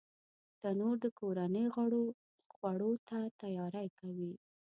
تنور د کورنۍ غړو خوړو ته تیاری کوي